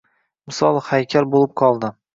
Misoli haykal bo‘lib qoldi.